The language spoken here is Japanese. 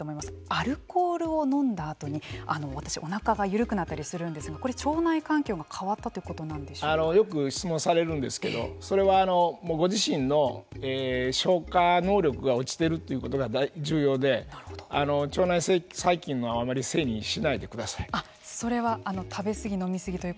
アルコールを飲んだあとに私、おなかが緩くなったりするんですがこれ、腸内環境が変わったよく質問されるんですけれどもご自身の消化能力が落ちているということが重要で腸内細菌のせいにそれは食べ過ぎそのとおりです。